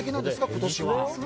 今年は。